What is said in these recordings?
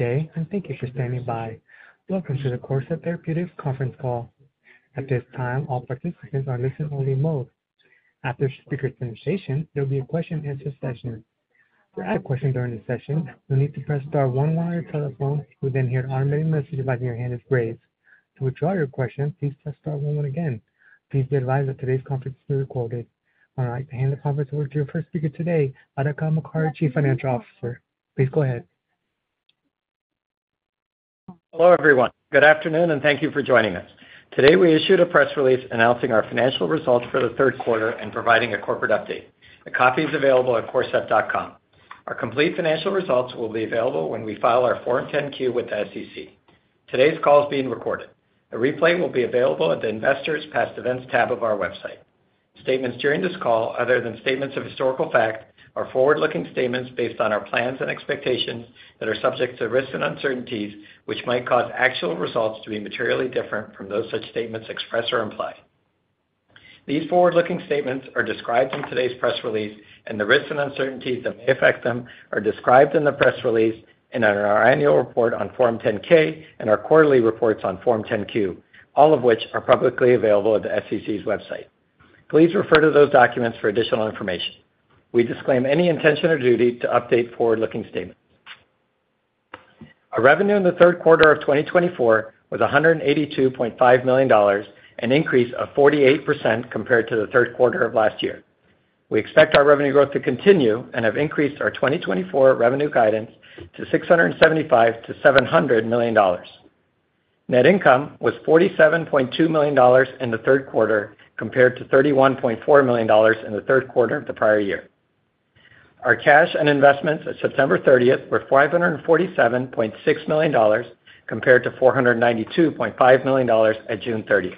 Good day, and thank you for standing by. Welcome to the Corcept Therapeutics conference call. At this time, all participants are in listen-only mode. After speaker presentation, there will be a question-and-answer session. To ask a question during the session, you'll need to press star one-one on your telephone. You'll then hear an automated message about your hand is raised. To withdraw your question, please press star one-one again. Please be advised that today's conference is being recorded. I would like to hand the conference over to your first speaker today, Atabak Mokari, Chief Financial Officer. Please go ahead. Hello, everyone. Good afternoon, and thank you for joining us. Today, we issued a press release announcing our financial results for the third quarter and providing a corporate update. The copy is available at corcept.com. Our complete financial results will be available when we file our 10-Q with the SEC. Today's call is being recorded. A replay will be available at the Investors' Past Events tab of our website. Statements during this call, other than statements of historical fact, are forward-looking statements based on our plans and expectations that are subject to risks and uncertainties, which might cause actual results to be materially different from those such statements express or imply. These forward-looking statements are described in today's press release, and the risks and uncertainties that may affect them are described in the press release and in our annual report on Form 10-K and our quarterly reports on Form 10-Q, all of which are publicly available at the SEC's website. Please refer to those documents for additional information. We disclaim any intention or duty to update forward-looking statements. Our revenue in the third quarter of 2024 was $182.5 million, an increase of 48% compared to the third quarter of last year. We expect our revenue growth to continue and have increased our 2024 revenue guidance to $675 million-$700 million. Net income was $47.2 million in the third quarter compared to $31.4 million in the third quarter of the prior year. Our cash and investments as of September 30th were $547.6 million compared to $492.5 million at June 30th.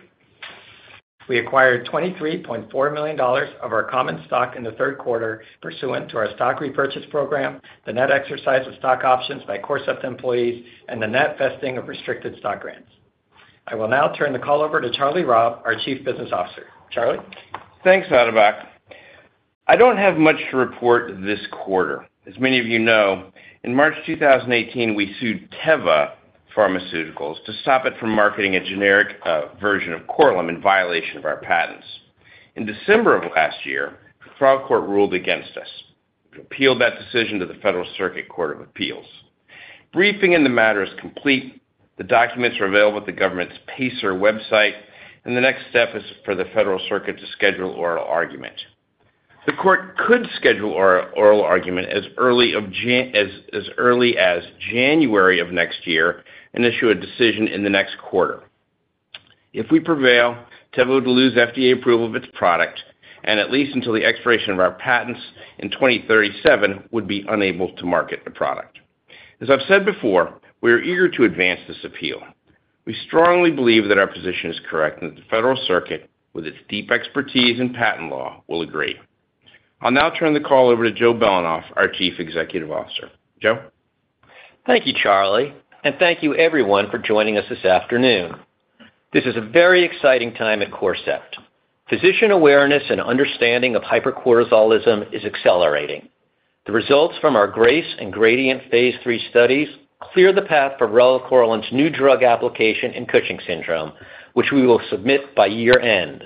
We acquired $23.4 million of our common stock in the third quarter, pursuant to our stock repurchase program, the net exercise of stock options by Corcept employees, and the net vesting of restricted stock grants. I will now turn the call over to Charlie Robb, our Chief Business Officer. Charlie. Thanks, Atabak. I don't have much to report this quarter. As many of you know, in March 2018, we sued Teva Pharmaceuticals to stop it from marketing a generic version of Korlym in violation of our patents. In December of last year, the trial court ruled against us. We've appealed that decision to the Federal Circuit Court of Appeals. Briefing in the matter is complete. The documents are available at the government's PACER website, and the next step is for the Federal Circuit to schedule oral argument. The court could schedule oral argument as early as January of next year and issue a decision in the next quarter. If we prevail, Teva would lose FDA approval of its product, and at least until the expiration of our patents in 2037, would be unable to market the product. As I've said before, we are eager to advance this appeal. We strongly believe that our position is correct and that the Federal Circuit, with its deep expertise in patent law, will agree. I'll now turn the call over to Joe Belanoff, our Chief Executive Officer. Joe? Thank you, Charlie, and thank you, everyone, for joining us this afternoon. This is a very exciting time at Corcept. Physician awareness and understanding of hypercortisolism is accelerating. The results from our GRACE and GRADIENT phase III studies clear the path for relacorilant's new drug application in Cushing syndrome, which we will submit by year-end.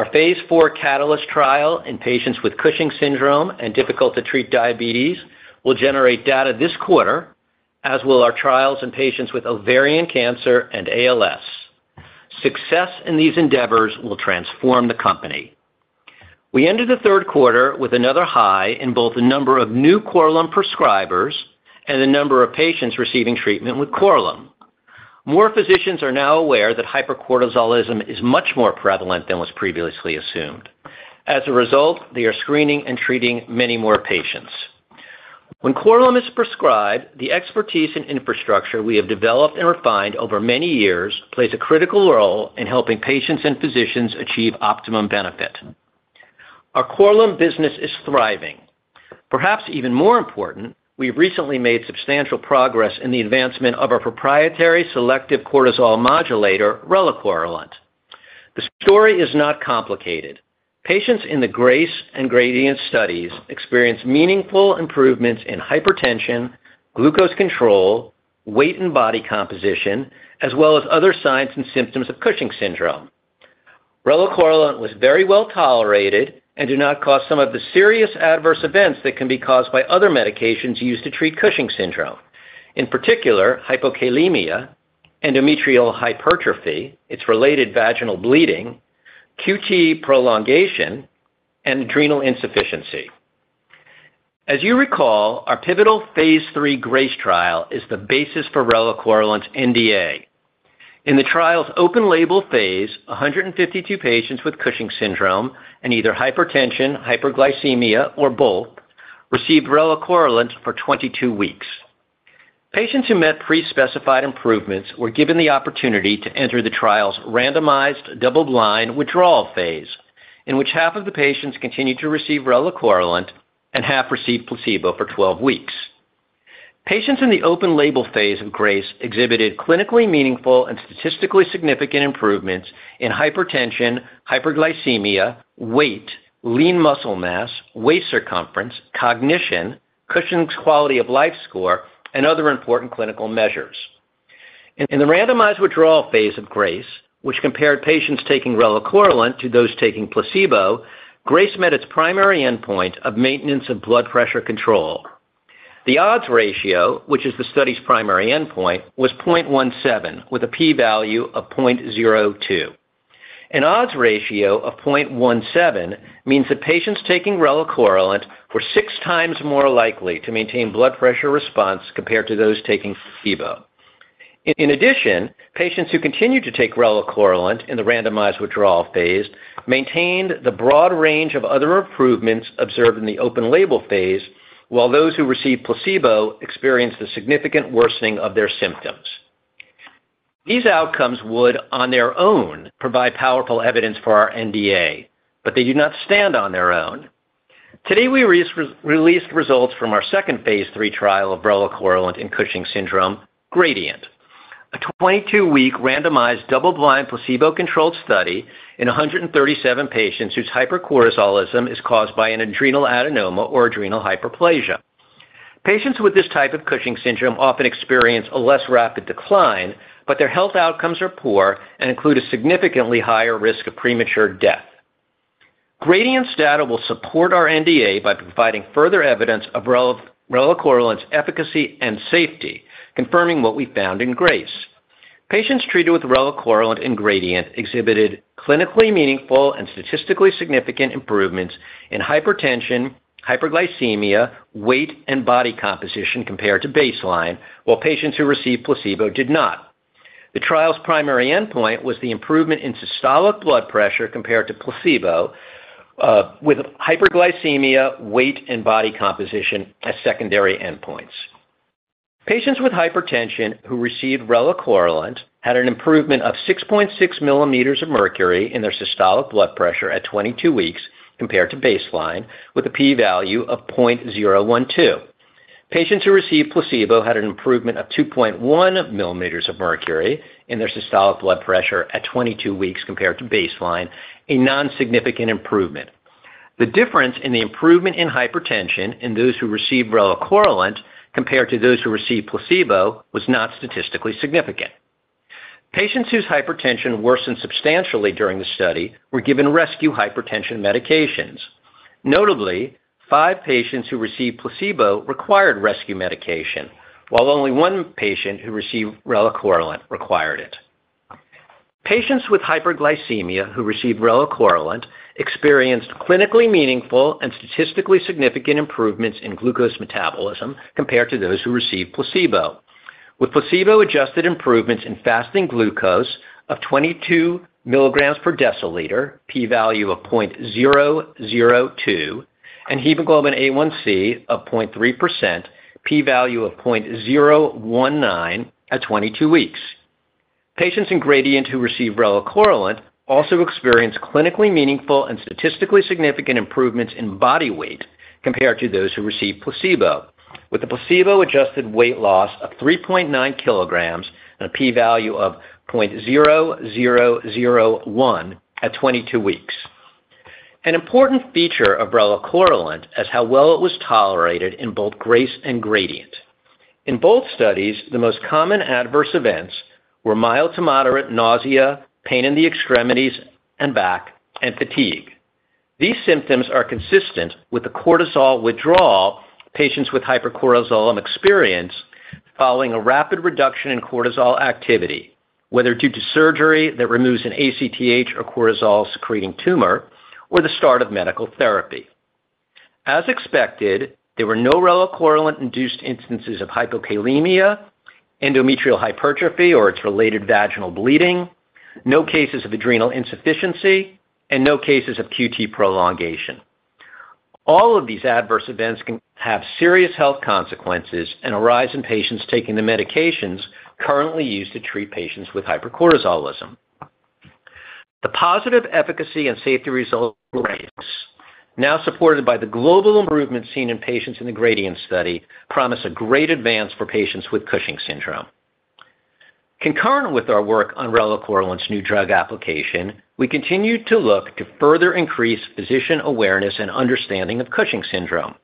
Our phase IV CATALYST trial in patients with Cushing syndrome and difficult-to-treat diabetes will generate data this quarter, as will our trials in patients with ovarian cancer and ALS. Success in these endeavors will transform the company. We ended the third quarter with another high in both the number of new Korlym prescribers and the number of patients receiving treatment with Korlym. More physicians are now aware that hypercortisolism is much more prevalent than was previously assumed. As a result, they are screening and treating many more patients. When Korlym is prescribed, the expertise and infrastructure we have developed and refined over many years plays a critical role in helping patients and physicians achieve optimum benefit. Our Korlym business is thriving. Perhaps even more important, we have recently made substantial progress in the advancement of our proprietary selective cortisol modulator, relacorilant. The story is not complicated. Patients in the GRACE and GRADIENT studies experience meaningful improvements in hypertension, glucose control, weight and body composition, as well as other signs and symptoms of Cushing syndrome. Relacorilant was very well tolerated and did not cause some of the serious adverse events that can be caused by other medications used to treat Cushing syndrome, in particular, hypokalemia, endometrial hypertrophy, its related vaginal bleeding, QT prolongation, and adrenal insufficiency. As you recall, our pivotal phase III GRACE trial is the basis for relacorilant's NDA. In the trial's open-label phase, 152 patients with Cushing syndrome and either hypertension, hyperglycemia, or both received relacorilant for 22 weeks. Patients who met pre-specified improvements were given the opportunity to enter the trial's randomized double-blind withdrawal phase, in which half of the patients continued to receive relacorilant and half received placebo for 12 weeks. Patients in the open-label phase of GRACE exhibited clinically meaningful and statistically significant improvements in hypertension, hyperglycemia, weight, lean muscle mass, waist circumference, cognition, Cushing's Quality of Life score, and other important clinical measures. In the randomized withdrawal phase of GRACE, which compared patients taking relacorilant to those taking placebo, GRACE met its primary endpoint of maintenance of blood pressure control. The odds ratio, which is the study's primary endpoint, was 0.17, with a p-value of 0.02. An odds ratio of 0.17 means that patients taking relacorilant were six times more likely to maintain blood pressure response compared to those taking placebo. In addition, patients who continued to take relacorilant in the randomized withdrawal phase maintained the broad range of other improvements observed in the open-label phase, while those who received placebo experienced a significant worsening of their symptoms. These outcomes would, on their own, provide powerful evidence for our NDA, but they do not stand on their own. Today, we released results from our second phase III trial of relacorilant in Cushing syndrome, GRADIENT, a 22-week randomized double-blind placebo-controlled study in 137 patients whose hypercortisolism is caused by an adrenal adenoma or adrenal hyperplasia. Patients with this type of Cushing syndrome often experience a less rapid decline, but their health outcomes are poor and include a significantly higher risk of premature death. GRADIENT's data will support our NDA by providing further evidence of relacorilant's efficacy and safety, confirming what we found in GRACE. Patients treated with relacorilant in GRADIENT exhibited clinically meaningful and statistically significant improvements in hypertension, hyperglycemia, weight, and body composition compared to baseline, while patients who received placebo did not. The trial's primary endpoint was the improvement in systolic blood pressure compared to placebo, with hyperglycemia, weight, and body composition as secondary endpoints. Patients with hypertension who received relacorilant had an improvement of 6.6 millimeters of mercury in their systolic blood pressure at 22 weeks compared to baseline, with a p-value of 0.012. Patients who received placebo had an improvement of 2.1 millimeters of mercury in their systolic blood pressure at 22 weeks compared to baseline, a non-significant improvement. The difference in the improvement in hypertension in those who received relacorilant compared to those who received placebo was not statistically significant. Patients whose hypertension worsened substantially during the study were given rescue hypertension medications. Notably, five patients who received placebo required rescue medication, while only one patient who received relacorilant required it. Patients with hyperglycemia who received relacorilant experienced clinically meaningful and statistically significant improvements in glucose metabolism compared to those who received placebo, with placebo-adjusted improvements in fasting glucose of 22 milligrams per deciliter, p-value of 0.002, and hemoglobin A1c of 0.3%, p-value of 0.019 at 22 weeks. Patients in GRADIENT who received relacorilant also experienced clinically meaningful and statistically significant improvements in body weight compared to those who received placebo, with a placebo-adjusted weight loss of 3.9 kilograms and a p-value of 0.001 at 22 weeks. An important feature of relacorilant is how well it was tolerated in both GRACE and GRADIENT. In both studies, the most common adverse events were mild to moderate nausea, pain in the extremities and back, and fatigue. These symptoms are consistent with the cortisol withdrawal patients with hypercortisolism experience following a rapid reduction in cortisol activity, whether due to surgery that removes an ACTH or cortisol-secreting tumor or the start of medical therapy. As expected, there were no relacorilant-induced instances of hypokalemia, endometrial hypertrophy, or its related vaginal bleeding, no cases of adrenal insufficiency, and no cases of QT prolongation. All of these adverse events can have serious health consequences and arise in patients taking the medications currently used to treat patients with hypercortisolism. The positive efficacy and safety results of GRACE, now supported by the global improvement seen in patients in the GRADIENT study, promise a great advance for patients with Cushing syndrome. Concurrent with our work on relacorilant's new drug application, we continue to look to further increase physician awareness and understanding of Cushing syndrome.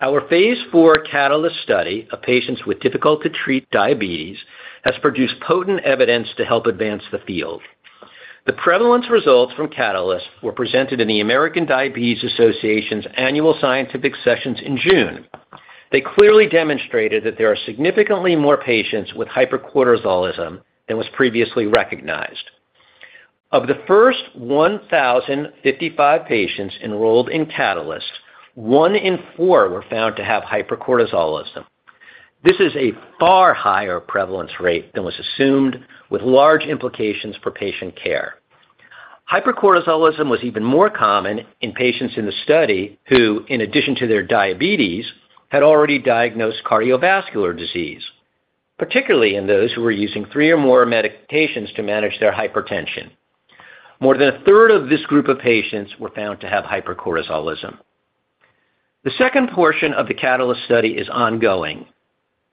Our Phase IV CATALYST study of patients with difficult-to-treat diabetes has produced potent evidence to help advance the field. The prevalence results from CATALYST were presented in the American Diabetes Association's Annual Scientific Sessions in June. They clearly demonstrated that there are significantly more patients with hypercortisolism than was previously recognized. Of the first 1,055 patients enrolled in CATALYST, one in four were found to have hypercortisolism. This is a far higher prevalence rate than was assumed, with large implications for patient care. Hypercortisolism was even more common in patients in the study who, in addition to their diabetes, had already diagnosed cardiovascular disease, particularly in those who were using three or more medications to manage their hypertension. More than a third of this group of patients were found to have hypercortisolism. The second portion of the CATALYST study is ongoing.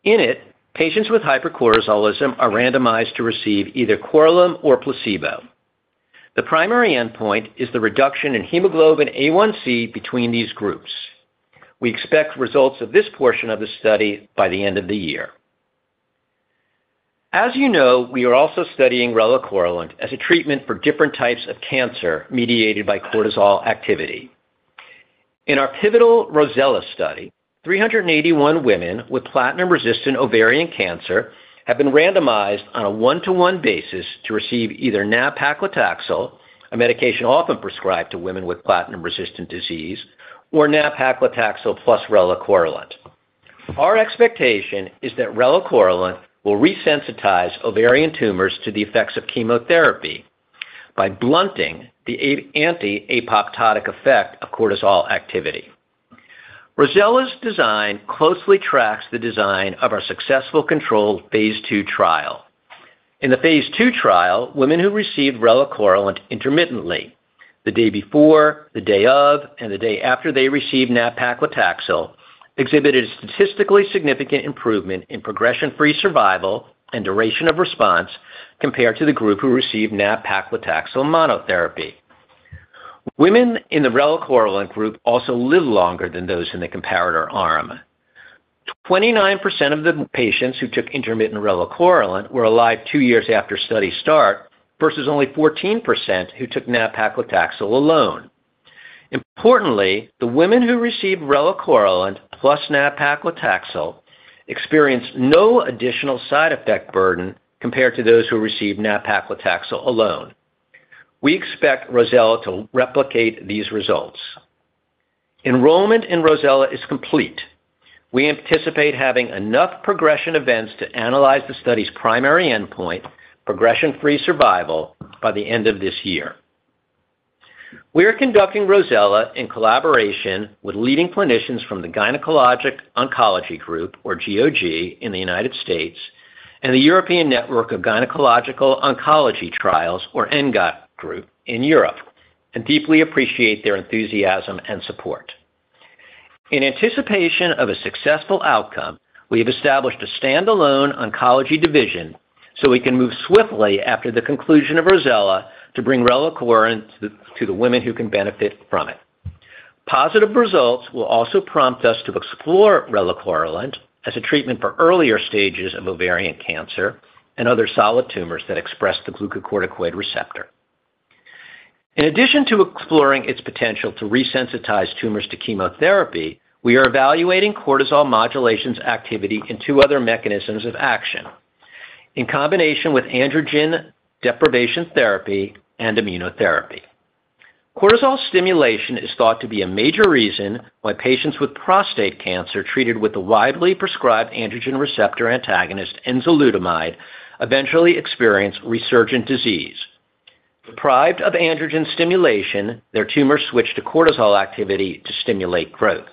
In it, patients with hypercortisolism are randomized to receive either Korlym or placebo. The primary endpoint is the reduction in hemoglobin A1c between these groups. We expect results of this portion of the study by the end of the year. As you know, we are also studying relacorilant as a treatment for different types of cancer mediated by cortisol activity. In our pivotal ROSELLA study, 381 women with platinum-resistant ovarian cancer have been randomized on a one-to-one basis to receive either nab-paclitaxel, a medication often prescribed to women with platinum-resistant disease, or nab-paclitaxel plus relacorilant. Our expectation is that relacorilant will resensitize ovarian tumors to the effects of chemotherapy by blunting the anti-apoptotic effect of cortisol activity. ROSELLA's design closely tracks the design of our successful control phase II trial. In the phase II trial, women who received relacorilant intermittently, the day before, the day of, and the day after they received nab-paclitaxel, exhibited statistically significant improvement in progression-free survival and duration of response compared to the group who received nab-paclitaxel monotherapy. Women in the relacorilant group also lived longer than those in the comparator arm. 29% of the patients who took intermittent relacorilant were alive two years after study start versus only 14% who took nab-paclitaxel alone. Importantly, the women who received relacorilant plus nab-paclitaxel experienced no additional side effect burden compared to those who received nab-paclitaxel alone. We expect ROSELLA to replicate these results. Enrollment in ROSELLA is complete. We anticipate having enough progression events to analyze the study's primary endpoint, progression-free survival, by the end of this year. We are conducting ROSELLA in collaboration with leading clinicians from the Gynecologic Oncology Group, or GOG, in the United States, and the European Network of Gynecological Oncology Trial Groups, or ENGOT, in Europe, and deeply appreciate their enthusiasm and support. In anticipation of a successful outcome, we have established a standalone oncology division so we can move swiftly after the conclusion of ROSELLA to bring relacorilant to the women who can benefit from it. Positive results will also prompt us to explore relacorilant as a treatment for earlier stages of ovarian cancer and other solid tumors that express the glucocorticoid receptor. In addition to exploring its potential to resensitize tumors to chemotherapy, we are evaluating cortisol modulation's activity in two other mechanisms of action, in combination with androgen deprivation therapy and immunotherapy. Cortisol stimulation is thought to be a major reason why patients with prostate cancer treated with the widely prescribed androgen receptor antagonist, enzalutamide, eventually experience resurgent disease. Deprived of androgen stimulation, their tumors switch to cortisol activity to stimulate growth.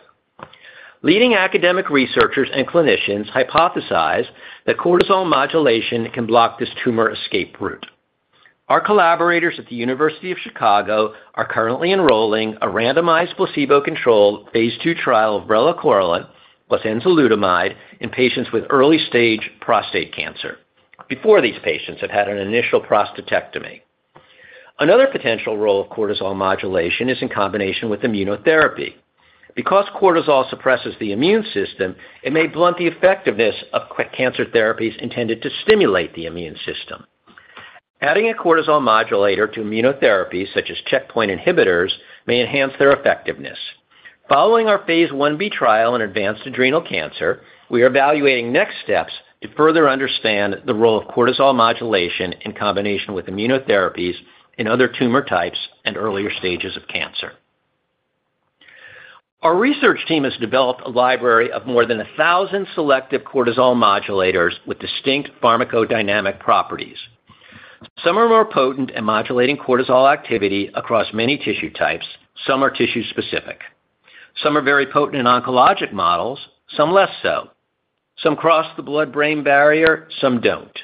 Leading academic researchers and clinicians hypothesize that cortisol modulation can block this tumor escape route. Our collaborators at the University of Chicago are currently enrolling a randomized placebo-controlled phase II trial of relacorilant plus enzalutamide in patients with early-stage prostate cancer. Before, these patients have had an initial prostatectomy. Another potential role of cortisol modulation is in combination with immunotherapy. Because cortisol suppresses the immune system, it may blunt the effectiveness of cancer therapies intended to stimulate the immune system. Adding a cortisol modulator to immunotherapy, such as checkpoint inhibitors, may enhance their effectiveness. Following our phase IB trial in advanced adrenal cancer, we are evaluating next steps to further understand the role of cortisol modulation in combination with immunotherapies in other tumor types and earlier stages of cancer. Our research team has developed a library of more than 1,000 selective cortisol modulators with distinct pharmacodynamic properties. Some are more potent at modulating cortisol activity across many tissue types. Some are tissue-specific. Some are very potent in oncologic models. Some less so. Some cross the blood-brain barrier. Some don't.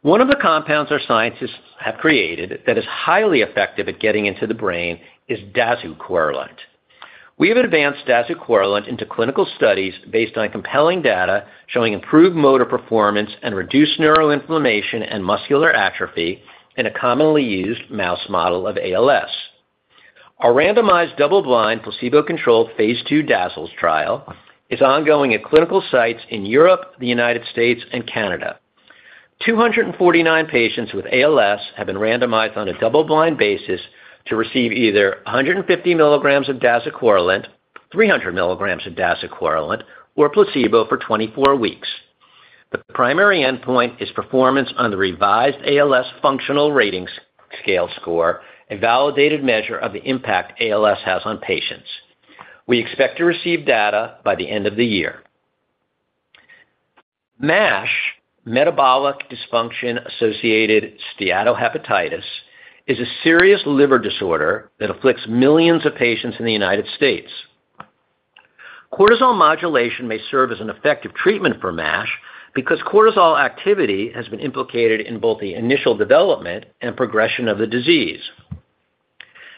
One of the compounds our scientists have created that is highly effective at getting into the brain is dazucorilant. We have advanced dazucorilant into clinical studies based on compelling data showing improved motor performance and reduced neuroinflammation and muscular atrophy in a commonly used mouse model of ALS. Our randomized double-blind placebo-controlled phase II DAZALS trial is ongoing at clinical sites in Europe, the United States, and Canada. 249 patients with ALS have been randomized on a double-blind basis to receive either 150 milligrams of dazucorilant, 300 milligrams of dazucorilant, or placebo for 24 weeks. The primary endpoint is performance on the Revised ALS Functional Rating Scale, a validated measure of the impact ALS has on patients. We expect to receive data by the end of the year. MASH, metabolic dysfunction-associated steatohepatitis, is a serious liver disorder that afflicts millions of patients in the United States. Cortisol modulation may serve as an effective treatment for MASH because cortisol activity has been implicated in both the initial development and progression of the disease.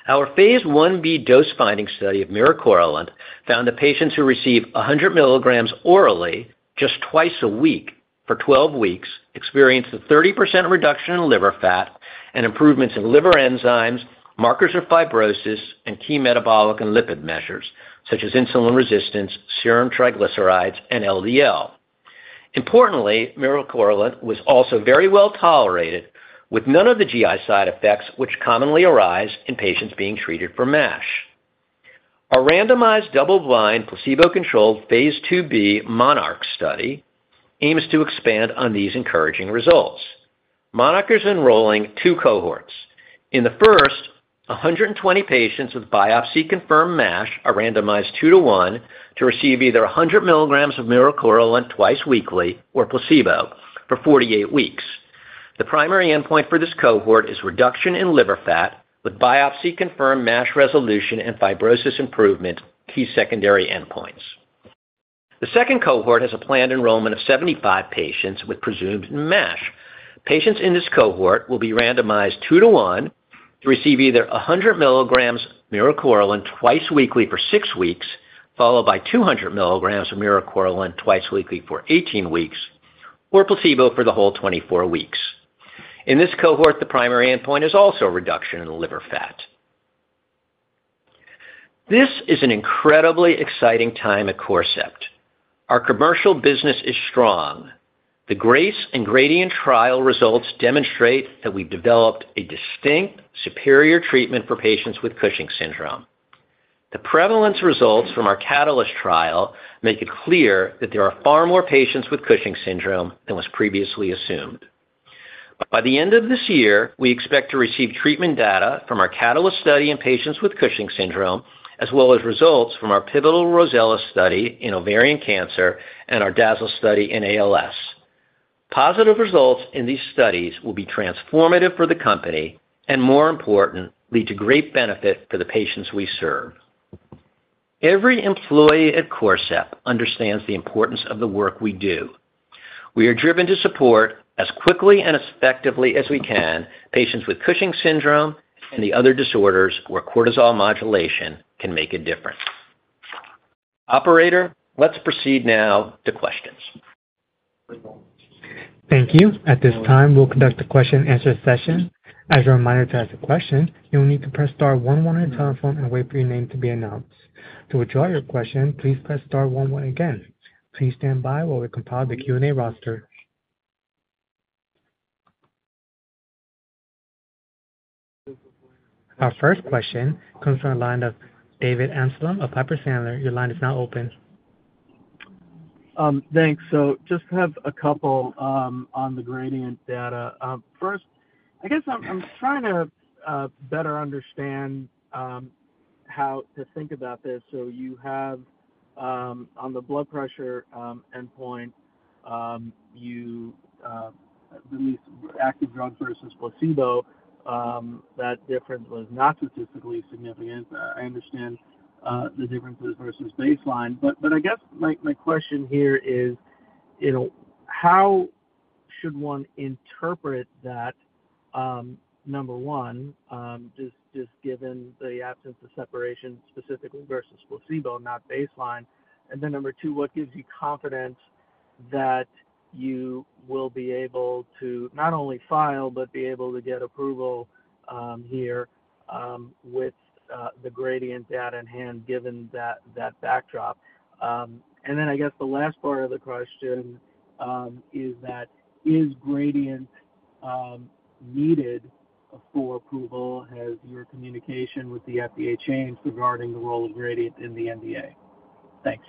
Our phase 1b dose-finding study of miricorilant found that patients who received 100 milligrams orally just twice a week for 12 weeks experienced a 30% reduction in liver fat and improvements in liver enzymes, markers of fibrosis, and key metabolic and lipid measures, such as insulin resistance, serum triglycerides, and LDL. Importantly, miricorilant was also very well tolerated, with none of the GI side effects which commonly arise in patients being treated for MASH. Our randomized double-blind placebo-controlled phase 2b MONARCH study aims to expand on these encouraging results. MONARCH is enrolling two cohorts. In the first, 120 patients with biopsy-confirmed MASH are randomized two-to-one to receive either 100 milligrams of miricorilant twice weekly or placebo for 48 weeks. The primary endpoint for this cohort is reduction in liver fat with biopsy-confirmed MASH resolution and fibrosis improvement, key secondary endpoints. The second cohort has a planned enrollment of 75 patients with presumed MASH. Patients in this cohort will be randomized two-to-one to receive either 100 milligrams of miricorilant twice weekly for six weeks, followed by 200 milligrams of miricorilant twice weekly for 18 weeks, or placebo for the whole 24 weeks. In this cohort, the primary endpoint is also reduction in liver fat. This is an incredibly exciting time at Corcept. Our commercial business is strong. The GRACE and GRADIENT trial results demonstrate that we've developed a distinct superior treatment for patients with Cushing syndrome. The prevalence results from our CATALYST trial make it clear that there are far more patients with Cushing syndrome than was previously assumed. By the end of this year, we expect to receive treatment data from our CATALYST study in patients with Cushing syndrome, as well as results from our pivotal ROSELLA study in ovarian cancer and our DAZALS study in ALS. Positive results in these studies will be transformative for the company and, more important, lead to great benefit for the patients we serve. Every employee at Corcept understands the importance of the work we do. We are driven to support, as quickly and as effectively as we can, patients with Cushing syndrome and the other disorders where cortisol modulation can make a difference. Operator, let's proceed now to questions. Thank you. At this time, we'll conduct a question-and-answer session. As a reminder to ask a question, you'll need to press star 11 at the telephone and wait for your name to be announced. To withdraw your question, please press star 11 again. Please stand by while we compile the Q&A roster. Our first question comes from the line of David Amsellem of Piper Sandler. Your line is now open. Thanks. So just have a couple on the GRADIENT data. First, I guess I'm trying to better understand how to think about this. So you have on the blood pressure endpoint, you released active drugs versus placebo. That difference was not statistically significant. I understand the differences versus baseline. But I guess my question here is, how should one interpret that, number one, just given the absence of separation specifically versus placebo, not baseline? And then number two, what gives you confidence that you will be able to not only file but be able to get approval here with the GRADIENT data in hand, given that backdrop? And then I guess the last part of the question is that, is GRADIENT needed for approval? Has your communication with the FDA changed regarding the role of GRADIENT in the NDA? Thanks.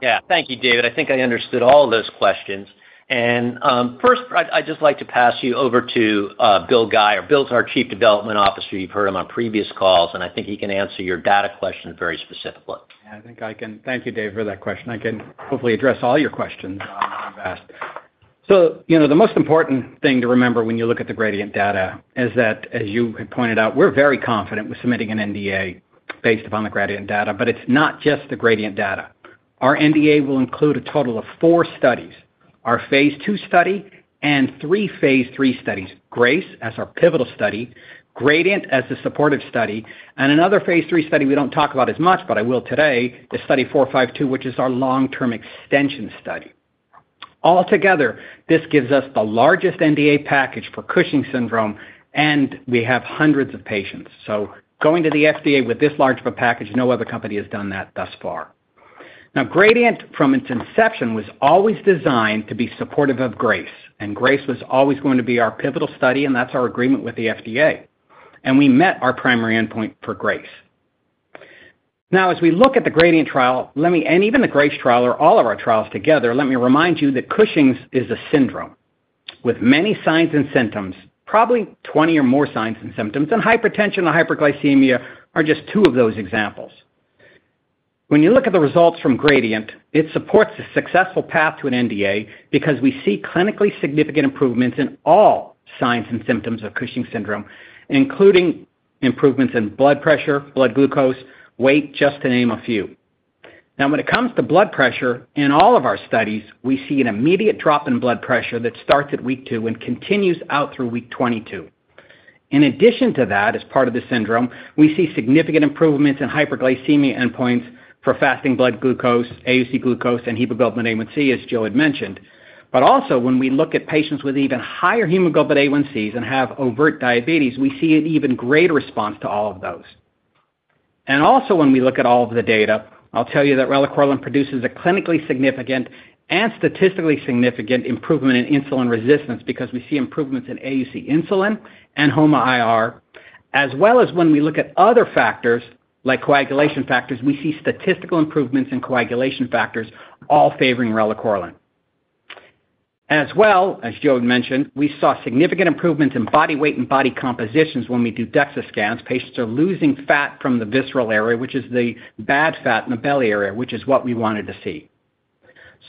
Yeah. Thank you, David. I think I understood all of those questions. And first, I'd just like to pass you over to Bill Guy. Bill's our Chief Development Officer. You've heard him on previous calls, and I think he can answer your data question very specifically. Yeah. I think I can. Thank you, Dave, for that question. I can hopefully address all your questions on the webcast. So the most important thing to remember when you look at the GRADIENT data is that, as you had pointed out, we're very confident with submitting an NDA based upon the GRADIENT data. But it's not just the GRADIENT data. Our NDA will include a total of four studies: our phase II study and three phase III studies: GRACE as our pivotal study, GRADIENT as the supportive study, and another phase III study we don't talk about as much, but I will today, is Study 452, which is our long-term extension study. Altogether, this gives us the largest NDA package for Cushing syndrome, and we have hundreds of patients. So going to the FDA with this large of a package, no other company has done that thus far. Now, GRADIENT, from its inception, was always designed to be supportive of GRACE. And GRACE was always going to be our pivotal study, and that's our agreement with the FDA. And we met our primary endpoint for GRACE. Now, as we look at the GRADIENT trial and even the GRACE trial or all of our trials together, let me remind you that Cushing's is a syndrome with many signs and symptoms, probably 20 or more signs and symptoms. Hypertension and hyperglycemia are just two of those examples. When you look at the results from GRADIENT, it supports a successful path to an NDA because we see clinically significant improvements in all signs and symptoms of Cushing syndrome, including improvements in blood pressure, blood glucose, weight, just to name a few. Now, when it comes to blood pressure, in all of our studies, we see an immediate drop in blood pressure that starts at week two and continues out through week 22. In addition to that, as part of the syndrome, we see significant improvements in hyperglycemia endpoints for fasting blood glucose, AUC glucose, and hemoglobin A1c, as Joe had mentioned. But also, when we look at patients with even higher hemoglobin A1cs and have overt diabetes, we see an even greater response to all of those. And also, when we look at all of the data, I'll tell you that relacorilant produces a clinically significant and statistically significant improvement in insulin resistance because we see improvements in AUC insulin and HOMA-IR, as well as when we look at other factors like coagulation factors, we see statistical improvements in coagulation factors, all favoring relacorilant. As well, as Joe had mentioned, we saw significant improvements in body weight and body composition when we do DEXA scans. Patients are losing fat from the visceral area, which is the bad fat in the belly area, which is what we wanted to see.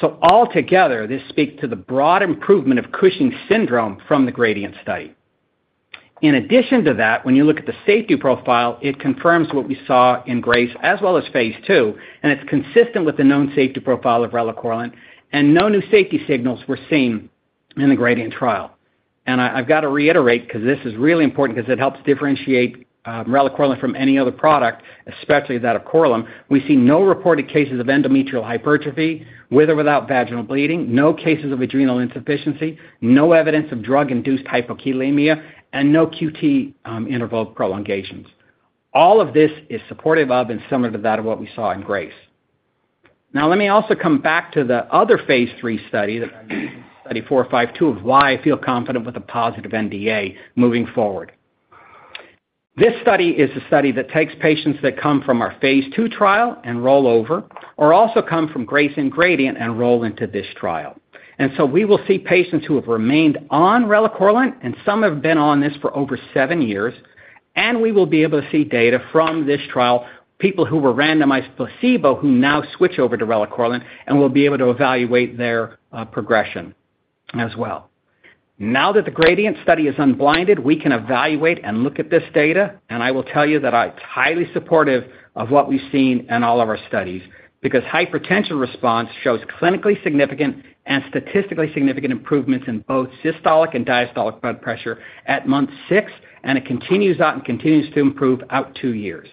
So altogether, this speaks to the broad improvement of Cushing syndrome from the GRADIENT study. In addition to that, when you look at the safety profile, it confirms what we saw in GRACE as well as phase II, and it's consistent with the known safety profile of relacorilant. And no new safety signals were seen in the GRADIENT trial. And I've got to reiterate because this is really important because it helps differentiate relacorilant from any other product, especially that of Korlym. We see no reported cases of endometrial hypertrophy with or without vaginal bleeding, no cases of adrenal insufficiency, no evidence of drug-induced hypokalemia, and no QT interval prolongations. All of this is supportive of and similar to that of what we saw in GRACE. Now, let me also come back to the other phase III study, Study 452, of why I feel confident with a positive NDA moving forward. This study is a study that takes patients that come from our phase II trial and roll over, or also come from GRACE and GRADIENT and roll into this trial. And so we will see patients who have remained on relacorilant, and some have been on this for over seven years. And we will be able to see data from this trial, people who were randomized placebo who now switch over to relacorilant, and we'll be able to evaluate their progression as well. Now that the GRADIENT study is unblinded, we can evaluate and look at this data. I will tell you that I'm highly supportive of what we've seen in all of our studies because hypertension response shows clinically significant and statistically significant improvements in both systolic and diastolic blood pressure at month six, and it continues out and continues to improve out two years.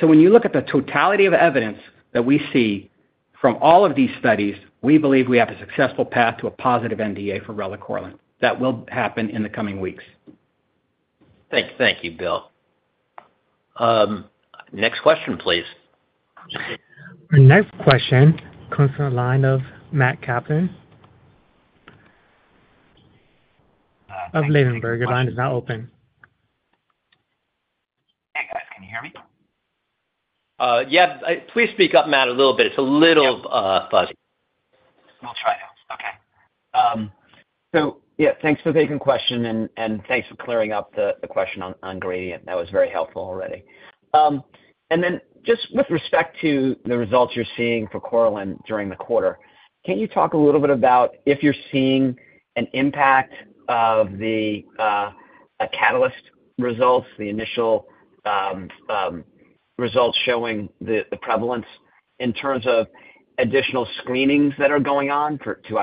So when you look at the totality of evidence that we see from all of these studies, we believe we have a successful path to a positive NDA for relacorilant. That will happen in the coming weeks. Thank you, Bill. Next question, please. Our next question comes from the line of Matt Kaplan of Ladenburg. Your line is now open. Hey, guys. Can you hear me? Yeah. Please speak up, Matt, a little bit. It's a little fuzzy. We'll try now. Okay. So yeah, thanks for taking the question, and thanks for clearing up the question on GRADIENT. That was very helpful already. And then just with respect to the results you're seeing for Korlym during the quarter, can you talk a little bit about if you're seeing an impact of the CATALYST results, the initial results showing the prevalence in terms of additional screenings that are going on to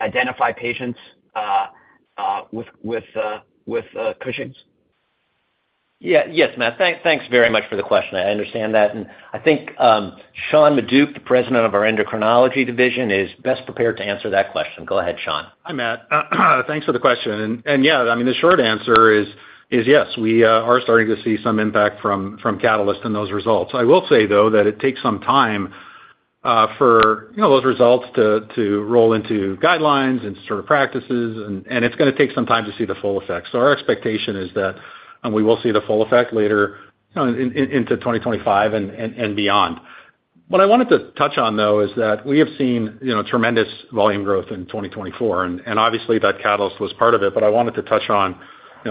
identify patients with Cushing's? Yeah. Yes, Matt. Thanks very much for the question. I understand that. And I think Sean Maduck, the President of our endocrinology division, is best prepared to answer that question. Go ahead, Sean. Hi, Matt. Thanks for the question. And yeah, I mean, the short answer is yes. We are starting to see some impact from CATALYST in those results. I will say, though, that it takes some time for those results to roll into guidelines and sort of practices, and it's going to take some time to see the full effect. Our expectation is that we will see the full effect later into 2025 and beyond. What I wanted to touch on, though, is that we have seen tremendous volume growth in 2024. And obviously, that CATALYST was part of it, but I wanted to touch on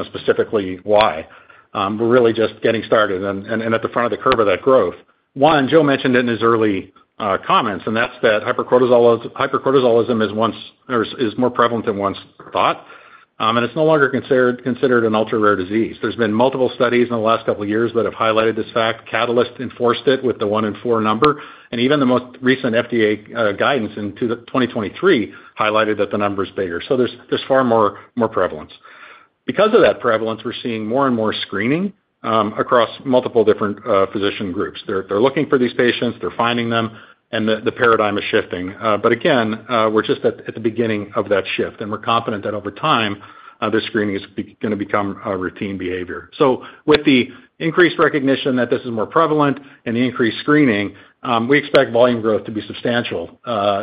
specifically why. We're really just getting started. And at the front of the curve of that growth, one, Joe mentioned it in his early comments, and that's that hypercortisolism is more prevalent than once thought, and it's no longer considered an ultra-rare disease. There's been multiple studies in the last couple of years that have highlighted this fact. CATALYST enforced it with the one in four number. And even the most recent FDA guidance in 2023 highlighted that the number is bigger. So there's far more prevalence. Because of that prevalence, we're seeing more and more screening across multiple different physician groups. They're looking for these patients. They're finding them, and the paradigm is shifting. But again, we're just at the beginning of that shift. And we're confident that over time, the screening is going to become a routine behavior. So with the increased recognition that this is more prevalent and the increased screening, we expect volume growth to be substantial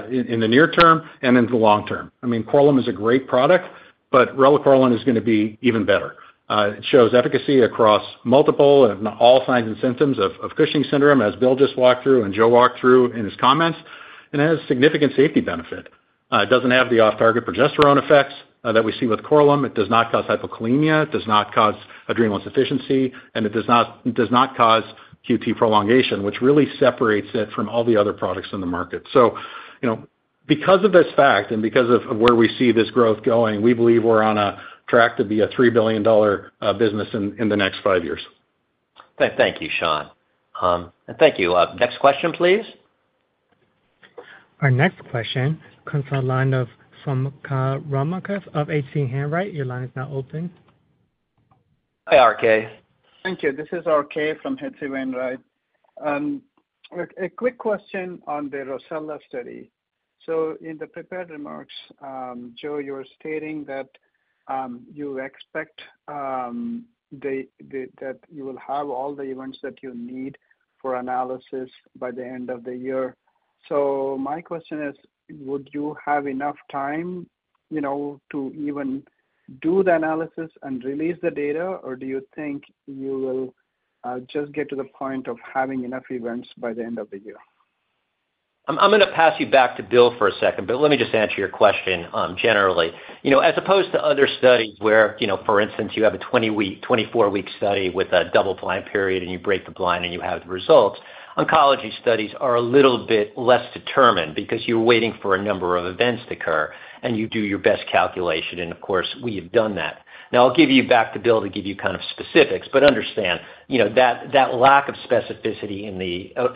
in the near term and in the long term. I mean, Korlym is a great product, but relacorilant is going to be even better. It shows efficacy across multiple and all signs and symptoms of Cushing syndrome, as Bill just walked through and Joe walked through in his comments. And it has a significant safety benefit. It doesn't have the off-target progesterone effects that we see with Korlym. It does not cause hypokalemia. It does not cause adrenal insufficiency. And it does not cause QT prolongation, which really separates it from all the other products in the market. So because of this fact and because of where we see this growth going, we believe we're on a track to be a $3 billion business in the next five years. Thank you, Sean. And thank you. Next question, please. Our next question comes from the line of Swayampakula Ramakanth of H.C. Wainwright. Your line is now open. Hi, RK. Thank you. This is RK from H.C. Wainwright. A quick question on the ROSELLA study. So in the prepared remarks, Joe, you were stating that you expect that you will have all the events that you need for analysis by the end of the year. So my question is, would you have enough time to even do the analysis and release the data, or do you think you will just get to the point of having enough events by the end of the year? I'm going to pass you back to Bill for a second, but let me just answer your question generally. As opposed to other studies where, for instance, you have a 24-week study with a double-blind period, and you break the blind, and you have the results, oncology studies are a little bit less determined because you're waiting for a number of events to occur, and you do your best calculation. And of course, we have done that. Now, I'll give you back to Bill to give you kind of specifics, but understand that lack of specificity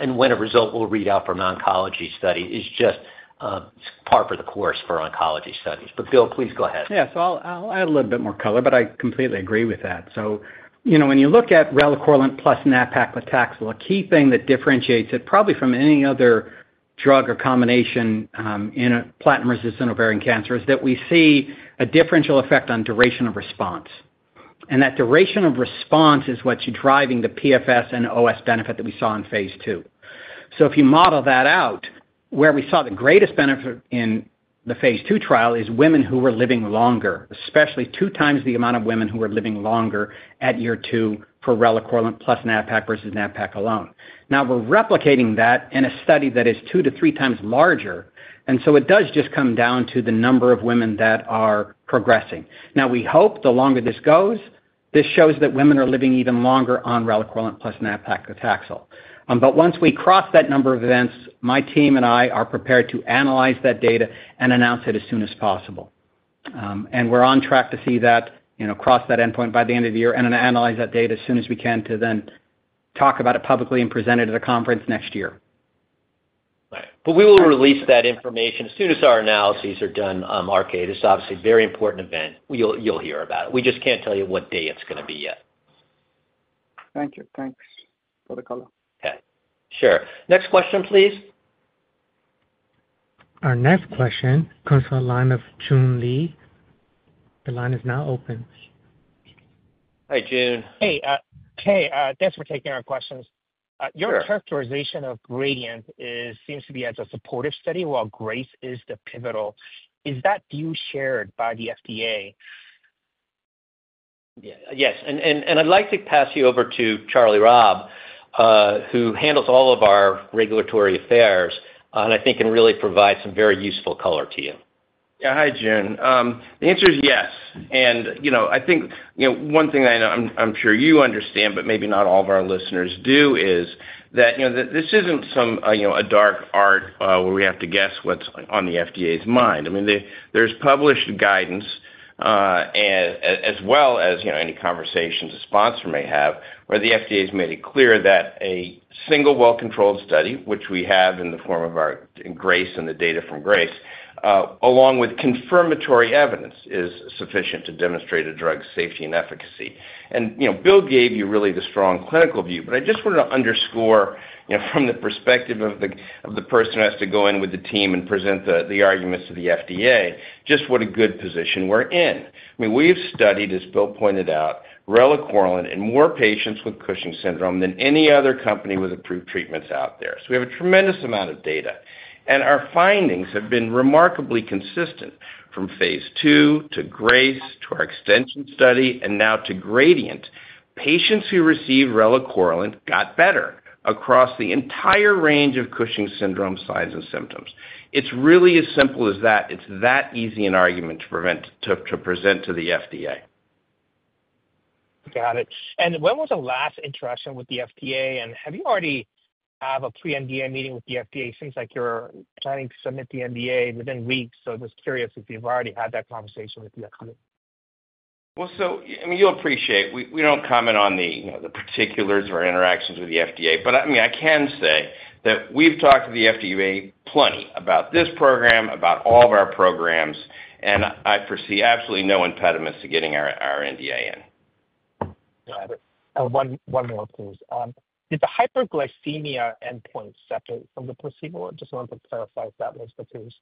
in when a result will read out from an oncology study is just par for the course for oncology studies, but Bill, please go ahead. Yeah, so I'll add a little bit more color, but I completely agree with that. So when you look at relacorilant plus nab-paclitaxel, the key thing that differentiates it probably from any other drug or combination in a platinum-resistant ovarian cancer is that we see a differential effect on duration of response, and that duration of response is what's driving the PFS and OS benefit that we saw in phase II. So if you model that out, where we saw the greatest benefit in the phase II trial is women who were living longer, especially two times the amount of women who were living longer at year two for relacorilant plus nab-paclitaxel versus nab-paclitaxel alone. Now, we're replicating that in a study that is two to three times larger. And so it does just come down to the number of women that are progressing. Now, we hope the longer this goes, this shows that women are living even longer on relacorilant plus nab-paclitaxel with Taxol. But once we cross that number of events, my team and I are prepared to analyze that data and announce it as soon as possible. And we're on track to see that, cross that endpoint by the end of the year, and analyze that data as soon as we can to then talk about it publicly and present it at a conference next year. But we will release that information as soon as our analyses are done, RK. This is obviously a very important event. You'll hear about it. We just can't tell you what day it's going to be yet. Thank you. Thanks for the color. Okay. Sure. Next question, please. Our next question comes from the line of Joon Lee. The line is now open. Hi, Joon. Hey. Okay. Thanks for taking our questions. Your characterization of GRADIENT seems to be as a supportive study while GRACE is the pivotal. Is that view shared by the FDA? Yes. I'd like to pass you over to Charlie Robb, who handles all of our regulatory affairs, and I think can really provide some very useful color to you. Yeah. Hi, Joon. The answer is yes. And I think one thing I'm sure you understand, but maybe not all of our listeners do, is that this isn't a dark art where we have to guess what's on the FDA's mind. I mean, there's published guidance as well as any conversations a sponsor may have where the FDA has made it clear that a single well-controlled study, which we have in the form of our GRACE and the data from GRACE, along with confirmatory evidence, is sufficient to demonstrate a drug's safety and efficacy. And Bill gave you really the strong clinical view. But I just wanted to underscore from the perspective of the person who has to go in with the team and present the arguments to the FDA just what a good position we're in. I mean, we have studied, as Bill pointed out, relacorilant in more patients with Cushing syndrome than any other company with approved treatments out there. So we have a tremendous amount of data. And our findings have been remarkably consistent from phase II to GRACE to our extension study and now to GRADIENT. Patients who received relacorilant got better across the entire range of Cushing syndrome signs and symptoms. It's really as simple as that. It's that easy an argument to present to the FDA. Got it. And when was the last interaction with the FDA? And have you already had a pre-NDA meeting with the FDA? It seems like you're planning to submit the NDA within weeks. So I was curious if you've already had that conversation with the FDA. Well, so I mean, you'll appreciate it. We don't comment on the particulars of our interactions with the FDA. But I mean, I can say that we've talked to the FDA plenty about this program, about all of our programs. And I foresee absolutely no impediments to getting our NDA in. Got it. One more, please. Is the hyperglycemia endpoint separate from the placebo? I just wanted to clarify if that was the case.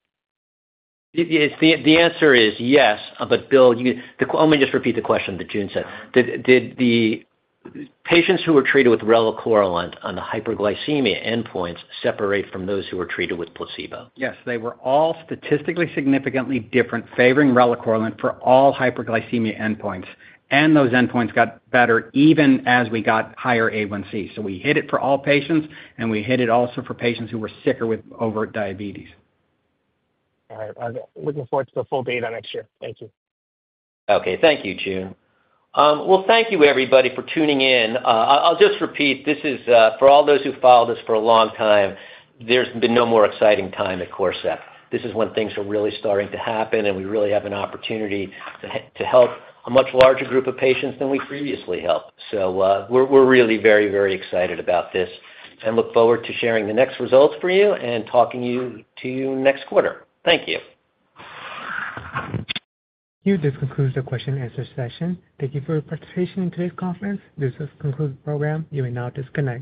The answer is yes. But Bill, let me just repeat the question that Joon said. Did the patients who were treated with relacorilant on the hyperglycemia endpoints separate from those who were treated with placebo? Yes. They were all statistically significantly different favoring relacorilant for all hyperglycemia endpoints. Those endpoints got better even as we got higher A1C. We hit it for all patients, and we hit it also for patients who were sicker with overt diabetes. All right. I'm looking forward to the full data next year. Thank you. Okay. Thank you, Joon. Thank you, everybody, for tuning in. I'll just repeat. For all those who followed us for a long time, there's been no more exciting time at Corcept. This is when things are really starting to happen, and we really have an opportunity to help a much larger group of patients than we previously helped. We're really very, very excited about this and look forward to sharing the next results for you and talking to you next quarter. Thank you. Thank you. This concludes the question-and-answer session. Thank you for your participation in today's conference. This has concluded the program. You may now disconnect.